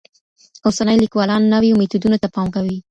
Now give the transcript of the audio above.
اوسني لیکوالان نویو میتودونو ته پام کوي.